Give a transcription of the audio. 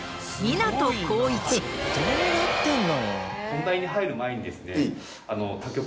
本題に入る前にですね。